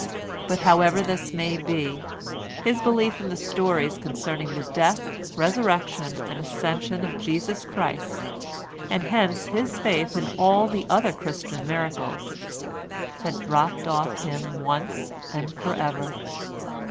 But however this may be, his belief in the stories concerning the Death, Resurrection and Ascension of Jesus Christ, and hence his faith in all the other Christian miracles, had dropped off him once and for ever.